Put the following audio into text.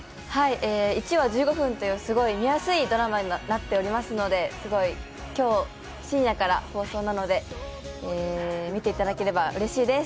１話１５分という見やすいドラマになっていますので、今日深夜から放送なので見ていただければうれしいです。